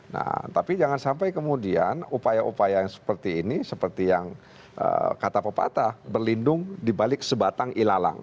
nah tapi jangan sampai kemudian upaya upaya yang seperti ini seperti yang kata pepatah berlindung dibalik sebatang ilalang